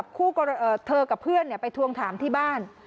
เธอกับเพื่อนไปทวงถามที่บ้าน